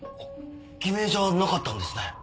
偽名じゃなかったんですね。